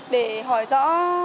để hỏi rõ